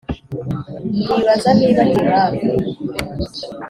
nibaza niba akiri hafi